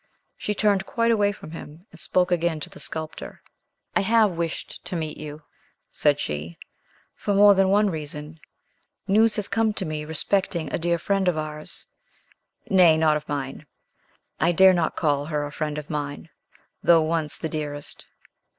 She turned quite away from him and spoke again to the sculptor. "I have wished to meet you," said she, "for more than one reason. News has come to me respecting a dear friend of ours. Nay, not of mine! I dare not call her a friend of mine, though once the dearest."